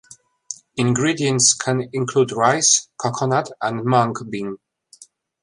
Ingredients can include rice, coconut and mung bean.